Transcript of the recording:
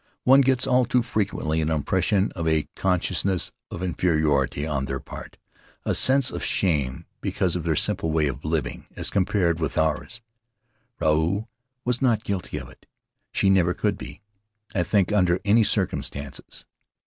One gets all too frequently an impression of a con sciousness of inferiority on their part, a sense of shame because of their simple way of living as compared with ours. Ruau was not guilty of it. She never could be, I think, under any circumstances.